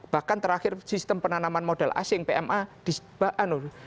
bahkan terakhir sistem penanaman modal asing pma disiapkan